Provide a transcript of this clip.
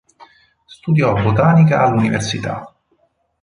Studiò botanica all'università.